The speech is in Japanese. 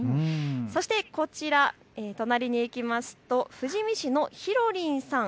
そしてこちら、隣にいきますと富士見市のひろりんさん。